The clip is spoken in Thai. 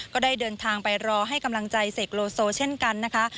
ก็ได้เดินทางไปรอให้กำลังใจเสกโลโซเช่นกันนะคะ